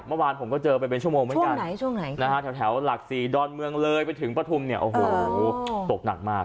เมื่อวานผมก็เจอไปเป็นชั่วโมงเหมือนกันเที่ยวหลักศรีดอนเมืองเลยไปถึงประธุมโต๊ะหนักมาก